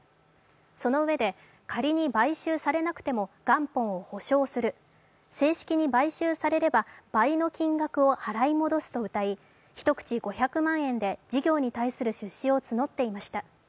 そのうえで仮に買収されなくても元本を保証する、正式に買収されれば倍の金額を払い戻すとうたい、一口５００万円で事業に対する出資を募っていました。